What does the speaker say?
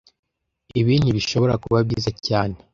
Ibi ntibishobora kuba byiza cyane